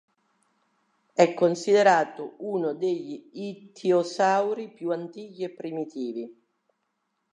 È considerato uno degli ittiosauri più antichi e primitivi.